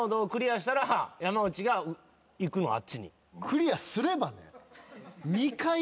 クリアすればね。